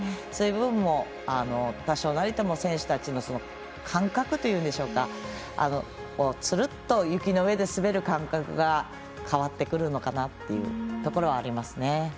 そういう部分も多少なりとも選手たちの感覚というんでしょうかつるっと雪の上で滑る感覚が変わってくるのかなというところはあります。